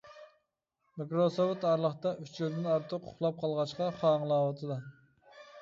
مىكروسوفت، ئارىلىقتا ئۈچ يىلدىن ئارتۇق ئۇخلاپ قالغاچقا خا ئاڭلاۋاتىدۇ.